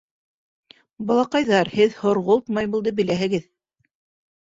Балаҡайҙар, һеҙ һорғолт маймылды беләһегеҙ.